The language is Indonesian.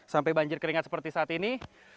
sampai banjir keringat seperti saat ini